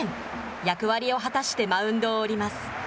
役割を果たしてマウンドを降ります。